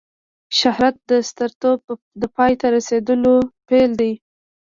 شهرت د سترتوب د پای ته رسېدلو پیل دی.